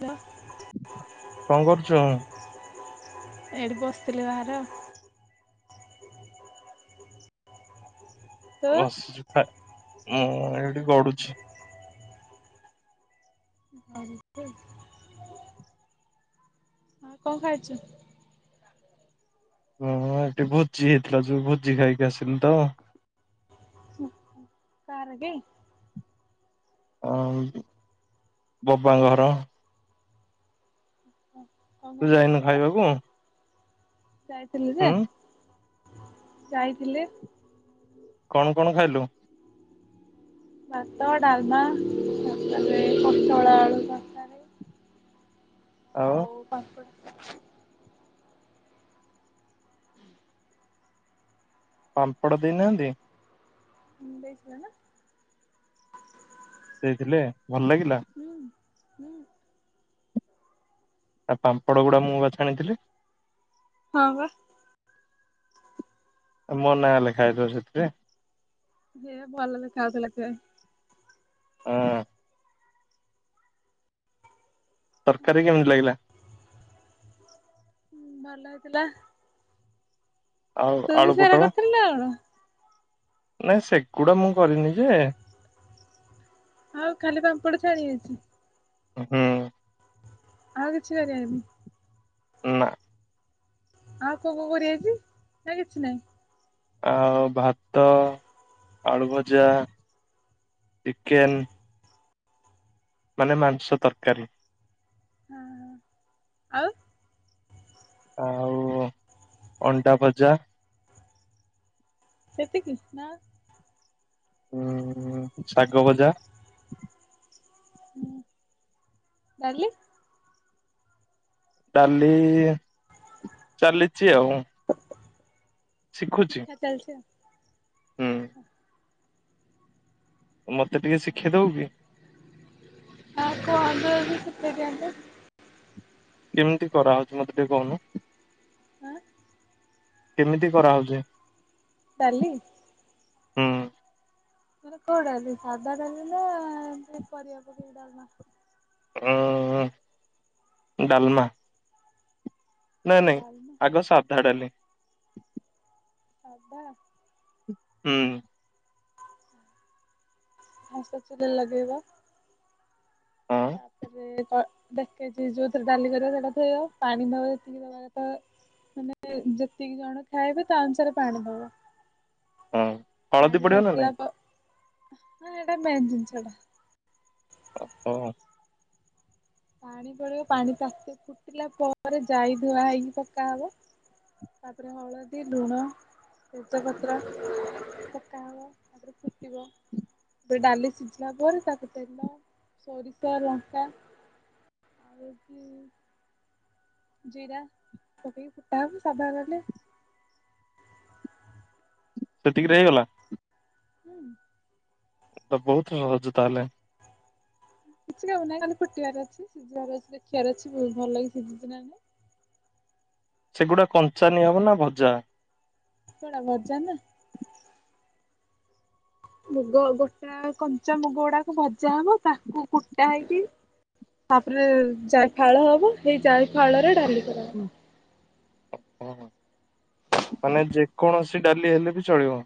ୱା କଣ କରୁଛ। ଏଇଠି ବସିଥିଲି ବାହାରେ। ତୁ? ଓ ଆସିଛୁ ଥା ମୁଁ ଏଇଠି ଗଡୁଛି। [unintelligible] ଆଉ କଣ ଖାଇଛୁ। ହଁ ଏଠି ଭୋଜି ହେଇଥିଲା ଯୋଉ ଭୋଜି ଖାଇକି ଆସିଲି ତ। କା ର କି। ଅଁ ବବା ଘର। କଣ ତୁ ଯାଉନୁ କରିଥିଲେ? ଖାଇବାକୁ। ଯାଇଥିଲି ଯେ ହୁଁ ଯାଇଥିଲି। କଣ କଣ ଖାଇଲୁ। ଭାତ ଡାଲମା ଖଟା ପୋଟଳ ଆଳୁ ତ ଆଉ ପାମ୍ପଡ। ପାମ୍ପଡ଼ ଦେଇନାହାନ୍ତି। ହୁଁ ଦେଇ ଥିଲେ ନା। ଦେଇଥିଲେ ଭଲ ଲାଗିଲା। ହୁଁ ହୁଁ। ଆ ଉ ପାମ୍ପଡ ଗୁଡା ମୁଁ ବା ଛାଣିଥିଲି। ହଁ ବା। ଏ ମୋ ନା ଲେଖା ହେଇଥିବ ସେଥିରେ। ସେଇଆ ଭଲ ଦେଖା ଯାଉ ଥିଲା ସେଥିପାଇଁ। ଅଁ। ତରକାରୀ କେମିତି ଲାଗିଲା। ଉଁ ଭଲ ହେଇଥିଲା। ଆଉ ତୁ ବି ଆଳୁ ସେରା ପୋଟଳ କରିଥିଲୁ ନା କଣ? ନାଇଁ ସେଗୁଡ଼ା ମୁଁ କରିନି ଯେ। ଆଉ ଖାଲି ପାମ୍ପଡ଼ ଛାଣିବେ। ହୁଁ। ଆଉ କିଛି କରିବେନି। ନା ଆଉ କୋଉ କୋଉ କରି ଆାଇଛି ସେ କିଛି ନାହିଁ। ଆଉ ଭାତ ଆଳୁଭଜା ଚିକେନ। ମାନେ ମାଂସ ତରକାରୀ। ହଁ ଆଉ ଆଉ ଅଣ୍ଡା ଭଜା। ସେତିକି ନା। ଉୁଁ ଶାଗ ଭଜା। ହୁଁ ଡାଲି? ଡାଲି ଚାଲିଚି ଆଉ। ଶିଖୁଛି ଶିଖା ଚାଲିଛି ଆଉ। ହୁଁ। ମତେ ଟିକେ ଶିଖେଇ ଦବୁ କି? ଶିଖେଇ ଦିଅନ୍ତେ [inaudible] କେମିତି କରାହେଉଛି ମତେ ଟିକେ କହୁନୁ। ହଁ କେମିତି କରାହେଉଛି? ଡାଲି। ହୁଁ ମାନେ କଉ ଡାଲି ସାଧା ଡାଲି ନା ଏମିତି ପରିବା ପକେଇ କି ଡାଲି। ଆଁ ଡାଲମା। ନାଇଁ ନାଇଁ ଡାଲମା ଆଗ ସାଧା ଡାଲି। [inaudible] ହୁଁ। ଫାର୍ଷ୍ଟ ଚୁଲି ଲଗେଇବା। ହଁ ତାପରେ କ ଦେଖ ଯୋଉଥିରେ ଡାଲି କରିବାି ସେଇଟାପାଣି ନବାକି [inaudible] ମାନେ ଯେତିକି ଜଣ ଖାଇବେ ତା ଅନୁସାରେ ପାଣି ଦବ। ହଁ ହଳଦୀ ପାଣି ପଡିବ ନା ତାତିଲା ନାଇଁ ପରେ ଏଇଟା ମେନ ଜିନିଷ ଟା ଓ ହ। ପାଣି ପଡିବ ପାଣି ତାତି ଫୁଟିଲା ପରେ ଯାଇ ଧୁଆ ହେଇକି ପକା ହବ। ତାପରେ ହଳଦୀ ଲୁଣ ତେଜ ପତ୍ର ପକା ହବ। ସେ ଫୁଟିବ। ଏ ଡାଲି ସିଝିଲା ପରେ ତାକୁ ତେଲ ସୋରିଷ ଲଙ୍କା ଆଉ କି ଜିରା ପକେଇକି ଫୁଟା ହବ [inaudible] ସେତିକିରେ ହେଇଗଲା। ହୁଁ ତ ବହୁତ ସହଜ ତାହେଲେ। କିଛି କାମ ନାଇ ଖାଲି ଫୁଟିବାର ଅଛି ସିଝିବାର ଅଛି ଦେଖିବାର ଅଛି ଭଲକି ସିଝିଚି ନାଁ ନାଇଁ। ସେଗୁଡ଼ା କଞ୍ଚା ନିଆ ହବ ନା ଭଜା। ଭଜା ନା। ମୁଗ ଗୋଟା କଞ୍ଚ ମୁଗ ଗୁଡାକ ଭଜା ହବ ତାକୁ କୁଟା ହେଇକି ତାପରେ ଯାଇ ଫାଳ ହବ ସେଇ ଯାଇ ଫାଳ ରେ ଡାଲି କରାହବ ଆଛ [inaudible] ମାନେ ଯେକୌଣସି ଡାଲି ହେଲେ ବି ଚଳିବ।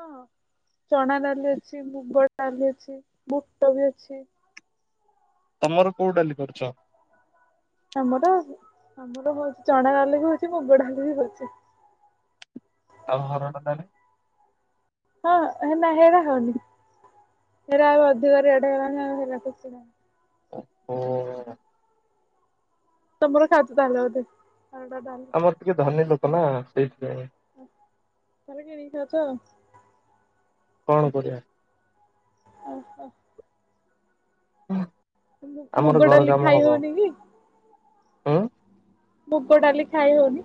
ହଁ ଚଣା ଡାଲି ଅଛି ମୁଗ ଡାଲି ଅଛି ବୁଟ ବି ଅଛି। ତମର କୋଉ ଡାଲି କରୁଛ। ଆମର ଆମର ହଉଛି ଚଣା ଡାଲି ବି ହଉଛି ମୁଗ ଡାଲି ବି ହଉଛି। ଆଉ ହରଡ ଡାଲି? ହଁ ହେ ନା ହେରା ହଉନି ହେରା ଏବେ ଅଧିକ ରେଟ୍ ହେଇଗଲାଣି ଆଉ ହେରାକୁ କିଣା। ଓ ଓ ଓ ତମର ସାତଟା ହେଲା ବୋଧ ତମର ଟିକେ ଧନୀ ଲୋକ ନା ସେଇଥିପାଇଁ। ତମେ କିଣି ଖାଉଛ। କଣ କରିବା। ଓହୋ। ହୁଁ। ମୁଗଡାଲି ଖାଇ ହଉନି କି? ହୁଁ ମୁଗ ଡାଲି ଖାଇ ହଉନି?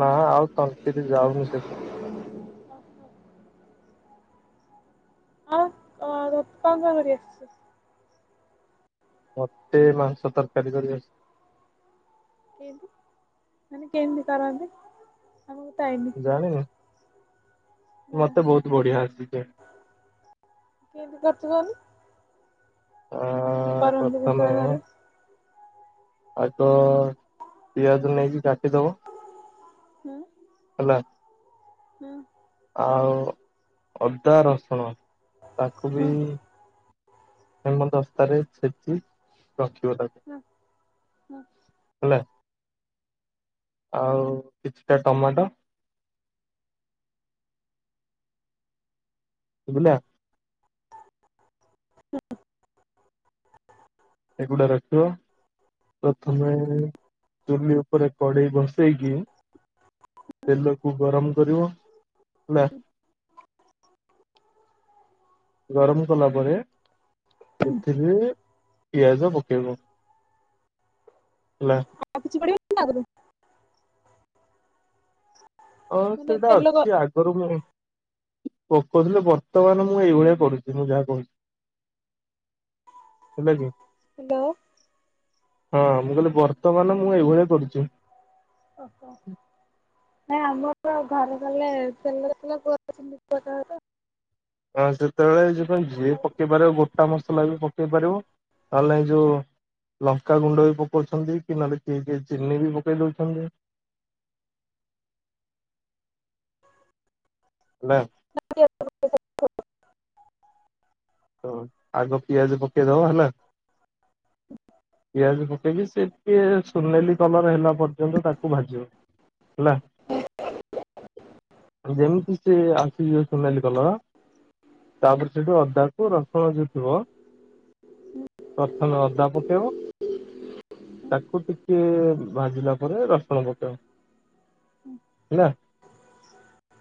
ନା ଆଉ ତଣ୍ଟିରେ ଯାଉନି ସେଗୁଡ଼ା। ହଁ କଣ କଣ କରି ଆସିଛି? ମତେ ମାଂସ ତରକାରୀ କରି ଆସେ। କେତି ମାନେ କେମିତି କରନ୍ତି? ଆମକୁ ତ ଆଇନି ଜାଣିନ ନା। ମତେ ବହୁତ ବଢିଆ ଆସିଛି। କେମିତି କରିଚୁ କଅନି। ହଁ। ଆମ କରନ୍ତି କେତବେଳେ ଘରେ। ଆଉ ତ ପିଆଜ ନେଇକି କାଟିଦବ ହୁଁ। ହେଲା। ହୁଁ। ଆଉ ଅଦା ରସୁଣ ତାକୁ ବି ହଁ ହେମ ଦସ୍ତାରେ ଛେଚି ରଖିବ ତାପରେ ହଁ ହଁ। ହେଲା ଆଉ କିଛିଟା ଟମାଟୋ ସୁଵିଲା ହୁଁ [unintelligible] ଏଗୁଡା ରଖିବ। ପ୍ରଥମେ ଚୁଲି ଉପରେ କଡେଇ ବସେଇକି ତେଲକୁ ଗରମ କରିବ ହେଲା ଗରମ କଲା ପରେ ସେଥିରେ ପିଆଜ ପକେଇିବ ହେଲା। ଆଉ କିଛି ପଡିବନି ତା ଆଗରୁ ହଁ ମାନେ ସେଇଟା ତେଲ ଗ ଅଛି ଆଗରୁ ମୋର। ପଙ୍କ ଥିଲେ ବର୍ତ୍ତମାନ ମୁଁ ଏଇ ଭଳିଆ କରୁଛି ମୁଁ ଯାହା କହୁଛି। ହେଲାକି। ଦୋ ହଁ ମୁଁ କହିଲି ବର୍ତ୍ତମାନ ମୁଁ ଏଇଭଳିଆ କରୁଚି। ଓହୋ। ନାଇଁ ଆମର ତ ଘରେ ଗଲେ ତେଲରେ କଲେ ପୁଅ ଅଛନ୍ତି ପୁଅଟ ହଁ ସେତେବେଳେ ଏଇଥିପାଇଁ ଯିଏ ପକେଇ ପାରିବ ଗୋଟା ମସଲା ବି ପକେଇ ପାରିବ ନହଲେ ନାହଁ ଯୋଉ- ଲଙ୍କା ଗୁଣ୍ଡ ବି ପକଉଚନ୍ତି କି ନହେଲେ କିଏ କିଏ ଚିନି ବି ପକେଇ ଦଉଚନ୍ତି। ନା। ନ [unintelligible] ତ ଆଗ ପିଆଜ ପକେଇଦବ ହେଲା ପିଆଜ ପକେଇ କି ସେ ଥି ଯେ ସୁନେଲି କଲର ହେଲା ପର୍ଯ୍ୟନ୍ତ ତାକୁ ଭାଜିବ ହେଲା। ଯେମିତି ସେ ଆସିଯିବ ସୁନେଲି କଲର ତାପରେ ସେଠି ଅଦାକୁ ରସୁଣ ଯୋଉ ଥିବ ପ୍ରଥମେ ଅଦା ପକେଇବ। ତାକୁ ଟିକେ ଭାଜିଲା ପରେ ରସୁଣ ପକେଇବ। ହେଲା।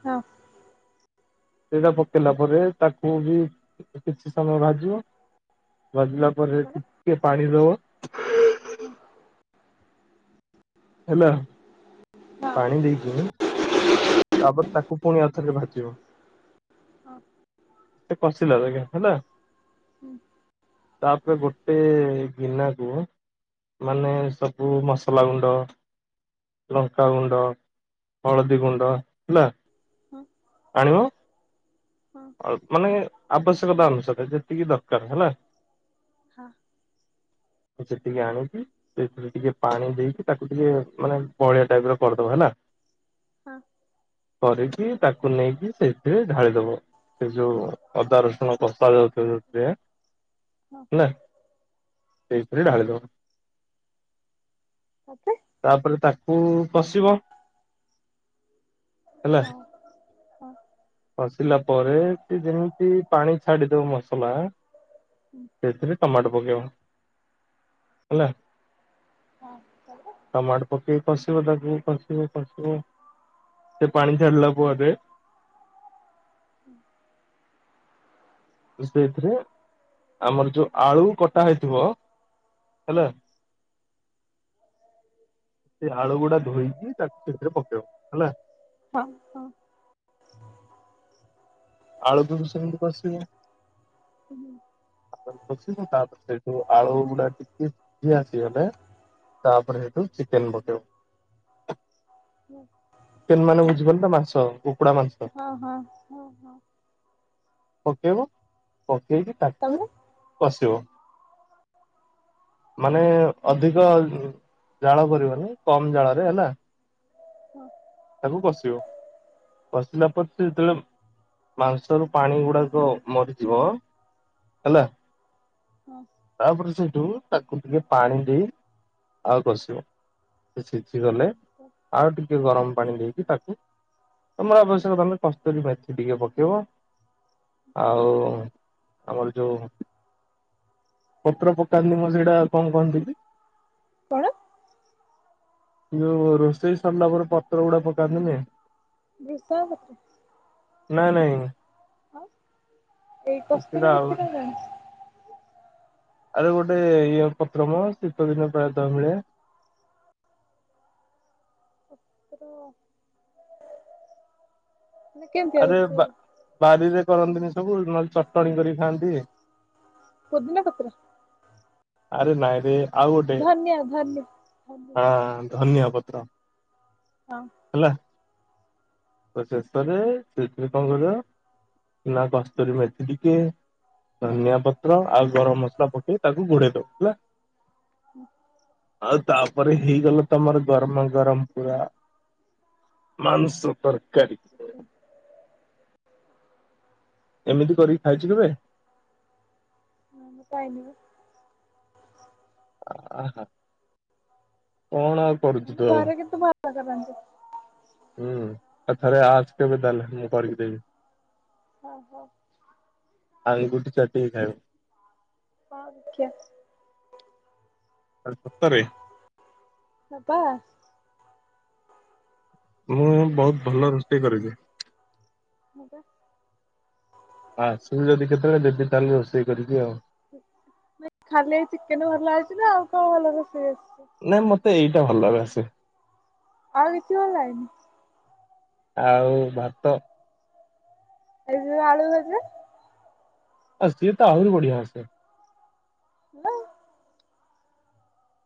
ହଁ। ସେଇଟା ପକେଇଲା ପରେ ତାକୁ ବି କିଛି ସମୟ ଭାଜିବ। ଭାଜିଲା ପରେ ଟିକେ ପାଣି ଦବ ହେଲା ପାଣି ଦେଇଦିଅ ତାପରେ ତାକୁ ପୁଣି ଆଉ ଥରେ ଭାଜିବ। ସେ କସିଲା ବାଗିଆ ହେଲା। ତାପରେ ଗୋଟେ ଗିନା କୁହ ମାନେ ସବୁ ମସଲା ଗୁଣ୍ଡ ଲଙ୍କାଗୁଣ୍ଡ, ହଳଦୀ ଗୁଣ୍ଡ ହେଲା ଆଣିବ ଅଳ ମାନେ ଆବଶ୍ୟକତା ଅନୁସାରେ ଯେତିକି ଦରକାର ହେଲା ହଁ। ମୁଁ ସେତିକି ଆଣବି। ସେଥିରେ ଟିକେ ପାଣି ଦେଇକି ତାକୁ ଟିକେ ମାନେ ବହଳିଆ ଟାଇପ ର କରିଦବ ହେଲା। ହଁ। କରିକି ତାକୁ ନେଇକି ସେଥିରେ ଢାଳିଦବ। ସେ ଯୋଉ ଅଦା ରସୁଣ କସା ଯୋଉଥିରେ ଯୋଉଥିରେ ହେଲା। ସେଇଥିରେ ଢାଳି ଦବ। ତା ପରେ? ତାପରେ ତାକୁ କଷିବ ହଁ। କସିଲା ପରେ ସେ ଯେମିତି ପାଣି ଛାଡି ଦବ ମସଲା। ହୁଁ। ସେଥିରେ ଟମାଟୋ ପକେଇବ ହେଲା। ଟମାଟୋ ପକେଇ କଷିବ ତାକୁ କଷିବ କଷିବ ସେ ପାଣି ଛାଡ଼ିଲା ପରେ ହୁଁ। ସେଥିରେ ଆମର ଯୋଉ ଆଳୁ କଟା ହେଇଥିବ ହେଲା। ସେଇ ଆଳୁ ଗୁଡା ଧୋଇକି ତାକୁ ସେଥିରେ ପକେଇବ ହେଲା। ହଁ ହଁ। ଆଳୁ କୁ ବି ସେମିତି କସିବ ହୁଁ। ତାପରେ କସିବୁ ତାପରେ ସେଇଠୁ ଆଳୁ ଗୁଡା ଟିକେ ସିଜି ଆସିଗଲେ ତାପରେ ସେଇଠୁ ଚିକେନ ପକେଇବ। ଚିକେନ ମାନେ ବୁଝିପାରିଲ ନା ମାଂସ କୁକୁଡା ମାଂସ। ହଁ ହଁ ହଁ ପକେଇବ ପକେଇକି ତାକୁ ତାପରେ? କସିବ ମାନେ ଅଧିକ ଜାଳ କରିବନି କମ ଜାଳରେ ହେଲା। ହଁ। ତାକୁ କସିବ। କସିଲା ପରେ ସେ ଯେତେବେଳେ ମାଂସରୁ ପାଣି ଗୁଡାକ ମରିଯିବ ହେଲା। ହଁ ହଁ ତାପରେ ସେଇଠୁ ତାକୁ ଟିକେ ପାଣି ଦେଇ ଆଳୁ କଷିବ, ସେ ସିଯିଗଲେ ଆଉ ଟିକେ ଗରମ ପାଣି ଦେଇକି ତାକୁ ତମର ଆବଶ୍ୟକ ତମେ କସ୍ତୁରୀ ମେଥି ଟିକେ ପକେଇବ। ଆଉ ଆମର ଯୋଉ ପତ୍ର ପକାନ୍ତି ମ ସେଇଟା କଣ କହନ୍ତି ତି? କଣ? ଯୋଉ ରୋଷେଇ ସରିଲା ପରେ ପତ୍ର ଗୁଡା ପକାନ୍ତିନି। ଭୃଷୁଙ୍ଗ ପତ୍ର? ନାଇଁ ନାଇଁ। ଆଉ ସେଟା କସ୍ତୁରି ଆଉ ମେଥିଟା ଜାଣିଛି। ଆଉ ଗୋଟେ ଇଏ ପତ୍ରମ ଶୀତ ଦିନ ପ୍ରାୟତଃ ମିଳେ? ଓ। ମାନେ କେମିତିଆ ଆରେ ଦେଖିବାକୁ? ବା ବାରିରେ କରନ୍ତିନି ସବୁ ନହେଲେ ଚଟଣି କରିକ ଖାଆନ୍ତି। ପୋଦିନା ପତ୍ର? ଆରେ ନାଇଁରେ। ଆଉ ଗୋଟେ ଧନିଆ ଧନିଆ। ହଁ ଧନିଆ ପତ୍ର। ହଁ। ହେଲା ତ ଶେଷରେ ସେଥୀରେ କଣ କରିଅ ନା କସ୍ତୁରି ମେଥି ଟିକେ ହଁ ଧନିଆ ପତ୍ର ଆଉ ଗରମ ମସଲା ପକେଇ ତାକୁ ଘୋଡେଇ ଦବ ହେଲା। [inaudible] ଆଉ ତାପରେ ହେଇଗଲା ତମର ଗରମା ଗରମ ପୁରା ମାଂସ ତରକାରୀ। [inaudible] ଏମିତି କରିକି ଖାଇଚୁ କେବେ? ହଁ ଖାଇନି ବା ଆହା କଣ ଆଉ ଆମ କରୁଚୁ ତୁ ଆଉ। ଘରେ କିନ୍ତୁ ଭଲ କରନ୍ତି ହୁଁ ଆ ଥରେ ଆସ କେବେ ତାହେଲେ ମୁଁ କରିିକି ଦେବି। ହଁ ହଁ। ଆଂଗୁଡି ଚାଟିକି ଖାଇବ। ହଁ ଦେଖିଆ। ଆରେ ସତରେ। ହପା। ମୁଁ ବହୁତ ଭଲ ରୋଷେଇ କରେ ଯେ। ହଁ ପା। ଆସୁ ଯଦି କେତେବେଳେ ଦେବି ତାହେଲେ ରୋଷେଇ କରିକି ଆଉ। ଖାଲି ଚିକେନ ଭଲ ଆଉଚିନା ଆଉ କଣ ଭଲ ରୋଷେଇ ଆସି ନାଇଁ ମତେ ଏଇଟା ଭଲରେ ଆସେ। ଆଉ କିଛି ଭଲ ଆଏନି। ଆଉ ଭାତ। ଏଇ ଯୋଉ ଆଳୁ ଭଜା। ଆ ସିଏ ତ ଆହୁରି ବଢିଆ ଆସେ। [unintelligible]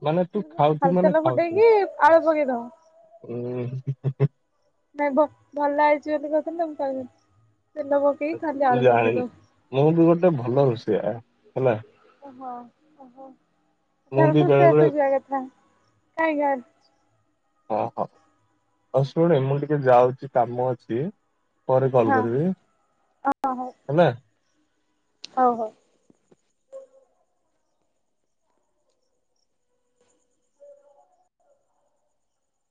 ମାନେ ତୁ ଖାଉଛୁ ଖାଲି ମାନେ ତେଲ ଖାଉଥିବୁ ଫୁଟେଇକି ଆଳୁ ପକେଇଦବ ଉଁ। ନାଇ ଭ ଭଲ ହେଇଛି ବୋଲି କଥା ମୁଁ [unintelligible] ତେଲ ପ ତୁ ଜାଣିନୁ ମୁଁ ବି ଗୋଟେ ଭଲ ରୋଷେୟା ହେଲା। ଓହୋ ଓହୋ ମୁଁ ତାହେଲେ ବି ତୁ ବେଳେ ସେଫ୍ ବେଳେ ଯିବା କଥା କାଇଁ ଗାଁ ଓ ହୋ ହୋଉ ଶୁଣେ ମୁଁ ଟିକେ ଯାଉଛି କାମ ଅଛି ପରେ କଲ୍ ହଁ କରିବି ହଁ ହଉ ହେଲା। ହଉ ହଉ